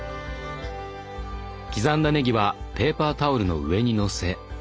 刻んだねぎはペーパータオルの上にのせ。